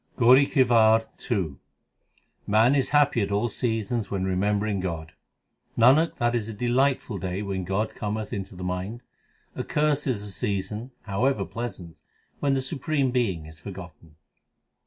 GAURI KI WAR II Man is happy at all seasons when remembering God: Nanak, that is a delightful day when God cometh into the mind. Accursed is the season, however pleasant, when the Supreme Being is forgotten.